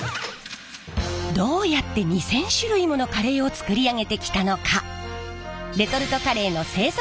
どうやって２，０００種類ものカレーを作り上げてきたのか？